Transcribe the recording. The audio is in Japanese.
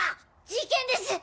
事件です！